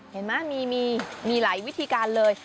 เห็นไหมมีหลายวิธีการเลย